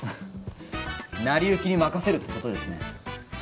成り行きに任せるってことですねそ